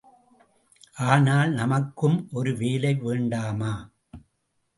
ஆனால் நமக்கும் ஒரு வேலை வேண்டாமா?